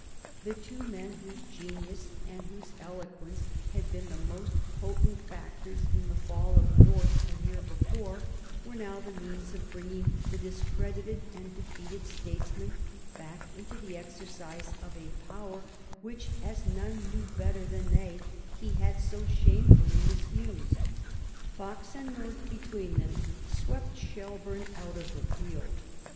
The two men whose genius and whose eloquence had been the most potent factors in the fall of North a year before were now the means of bringing the discredited and defeated statesman back again into the exercise of a power which, as none knew better than they, he had so shamefully misused. Fox and North between them swept Shelburne out of the field.